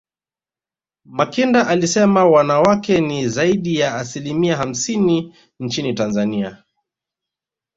makinda alisema wanawake ni zaidi ya asilimia hamsini nchini tanzania